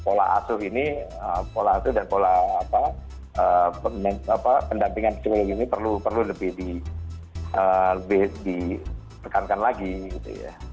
pola asur ini pola asur dan pola pendampingan psikologis ini perlu lebih di lebih di tekankan lagi gitu ya